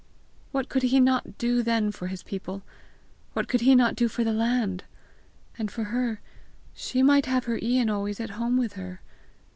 What could he not do then for his people! What could he not do for the land! And for her, she might have her Ian always at home with her!